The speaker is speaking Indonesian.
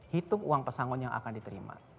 hitung uang pesangon yang akan diterima